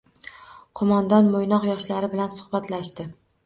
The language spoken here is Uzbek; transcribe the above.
Qo‘mondon Mo‘ynoq yoshlari bilan suhbatlashdi